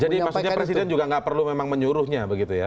jadi maksudnya presiden juga gak perlu memang menyuruhnya begitu ya